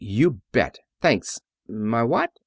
You bet. Thanks. My what?